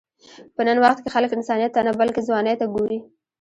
په نن وخت کې خلک انسانیت ته نه، بلکې ځوانۍ ته ګوري.